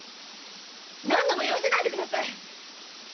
何度も言わせないでください！